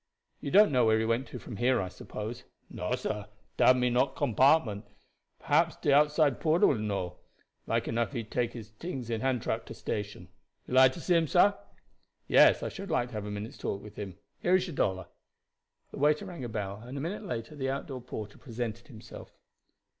"You don't know where he went to from here, I suppose?" "No, sah, dat not my compartment. Perhaps de outside porter will know. Like enough he take his tings in hand truck to station. You like to see him, sah?" "Yes, I should like to have a minute's talk with him. Here is your dollar." The waiter rang a bell, and a minute later the outdoor porter presented himself.